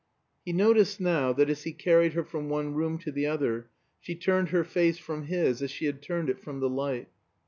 He noticed now that, as he carried her from one room to the other, she turned her face from his, as she had turned it from the light.